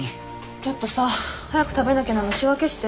ちょっとさ早く食べなきゃなの仕分けして。